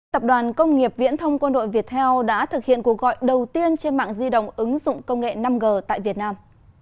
tập đoàn công nghiệp viễn thông quân đội việt theo đã thực hiện cuộc gọi đầu tiên trên mạng di động ứng dụng công nghệ năm g tại việt nam